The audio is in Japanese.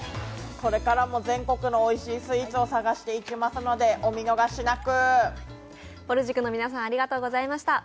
これからも全国のおいしいスイーツを探していきますのでお見逃しなく。